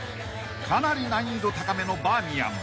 ［かなり難易度高めのバーミヤン］